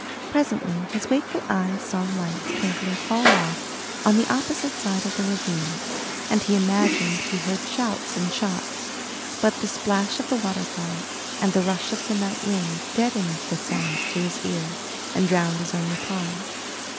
Presently his wakeful eyes saw lights twinkling far off on the opposite side of the ravine, and he imagined he heard shouts and shots. But the splash of the waterfall, and the rush of the night wind deadened the sounds to his ear, and drowned his own reply.